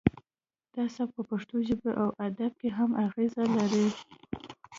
دا سبک په پښتو ژبه او ادب کې هم اغیز لري